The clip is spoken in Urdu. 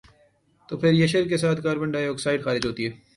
تو پر یشر کے ساتھ کاربن ڈائی آکسائیڈ خارج ہوتی ہے